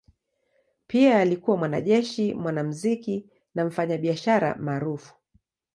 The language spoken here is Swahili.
Pia alikuwa mwanajeshi, mwanamuziki na mfanyabiashara maarufu.